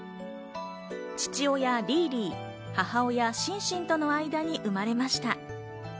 父親・リーリー、母親・シンシンとの間に生まれました。